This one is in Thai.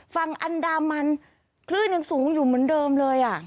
ฝั่งอันดามันคลื่นยังสูงอยู่เหมือนเดิมเลย